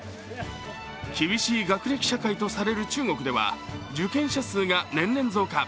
厳しい学歴社会とされる中国では受験者数が年々増加。